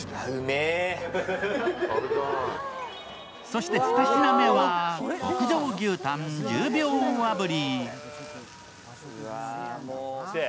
そして２品目は、極上牛たん１０秒炙り。